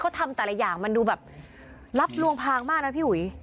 เขาทำแต่ละอย่างมันดูแบบรับลวงพางมากนะพี่อุ๋ย